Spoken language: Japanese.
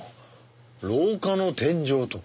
廊下の天井とか。